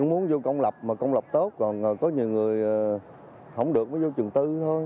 muốn vô công lập mà công lập tốt còn có nhiều người không được với vô trường tư thôi